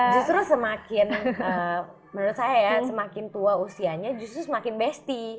justru semakin menurut saya ya semakin tua usianya justru semakin besti